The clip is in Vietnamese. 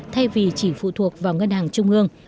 thay vì chỉ phụ thuộc vào ngân hàng trung ương